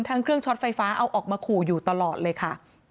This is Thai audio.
เครื่องช็อตไฟฟ้าเอาออกมาขู่อยู่ตลอดเลยค่ะ